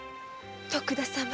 徳田様。